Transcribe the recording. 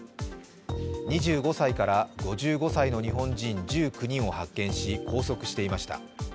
２５歳から５５歳の日本人１９人を発見し、拘束していました。